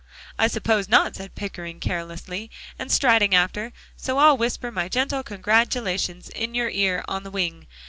"I suppose not," said Pickering carelessly, and striding after, "so I'll whisper my gentle congratulations in your ear 'on the wing.'